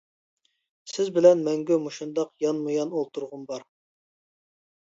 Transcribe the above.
سىز بىلەن مەڭگۈ مۇشۇنداق يانمۇيان ئولتۇرغۇم بار.